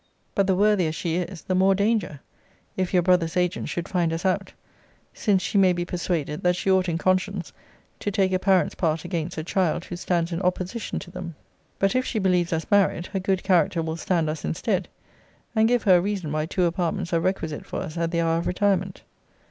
But the worthier she is, the more danger, if your brother's agent should find us out; since she may be persuaded, that she ought in conscience to take a parent's part against a child who stands in opposition to them. But if she believes us married, her good character will stand us instead, and give her a reason why two apartments are requisite for us at the hour of retirement.